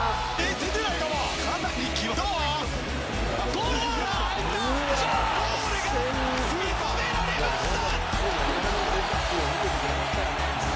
ゴールが認められました！